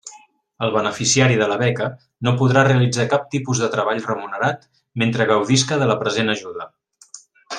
El beneficiari de la beca no podrà realitzar cap tipus de treball remunerat mentre gaudisca de la present ajuda.